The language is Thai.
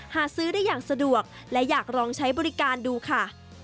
หาซื้อได้อย่างสะดวกและอยากลองใช้บริการดูค่ะ